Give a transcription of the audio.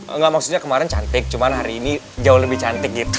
enggak maksudnya kemarin cantik cuman hari ini jauh lebih cantik gitu